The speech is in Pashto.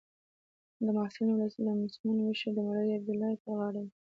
د محصلینو د لمسولو مشري د مولوي عبیدالله پر غاړه ده.